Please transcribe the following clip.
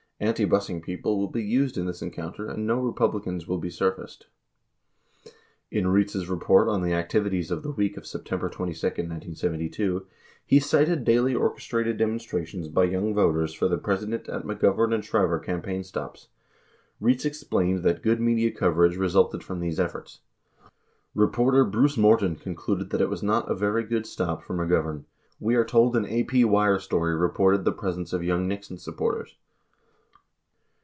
Antibusing people will be used in this encounter and no Republicans will be surfaced. 49 In Rietz's report on the activities of the week of September 22, 1972, he cited daily orchestrated demonstrations by Young Voters for the President at McGovern and Shriver campaign stops. Rietz explained that good media coverage resulted from these efforts :Reporter Bruce Morton concluded that it was not a very good stop [for McGovern] . We are told an AP wire story reported the presence of young Nixon supporters.